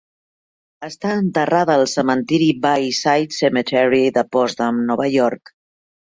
Està enterrada al cementeri Bayside Cemetery de Potsdam, Nova York.